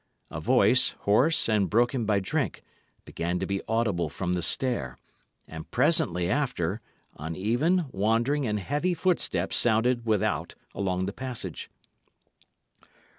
A voice, hoarse and broken by drink, began to be audible from the stair; and presently after, uneven, wandering, and heavy footsteps sounded without along the passage.